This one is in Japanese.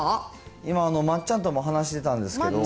今、まっちゃんとも話してたんですけども。